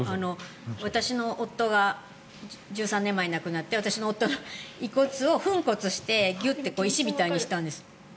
私の夫が１３年前に亡くなって私の夫の遺骨を粉骨して、ギュッて石みたいにしたんです。